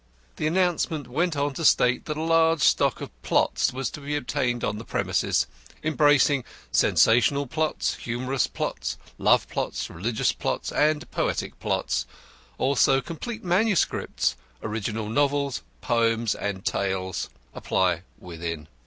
The announcement went on to state that a large stock of plots was to be obtained on the premises embracing sensational plots, humorous plots, love plots, religious plots, and poetic plots; also complete manuscripts, original novels, poems, and tales. Apply within.